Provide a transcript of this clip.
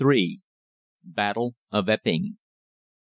BATTLE OF EPPING.